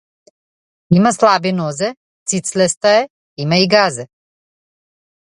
Има слаби нозе, цицлеста е, има и газе.